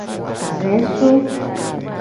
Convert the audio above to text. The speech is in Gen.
Zisu.